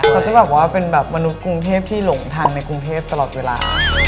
มันจะแบบว่าเป็นประุณาภาพกรุงเทพศาสตร์ที่หลงทางกรุงเทพศ์ตลอดเวลา